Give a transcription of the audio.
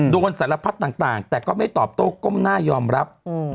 โดนสารพัดต่างแต่ก็ไม่ตอบโต้ก้มหน้ายอมรับ